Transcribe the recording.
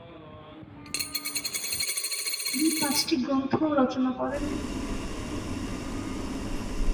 তিনি পাঁচটি গ্রন্থও রচনা করেন।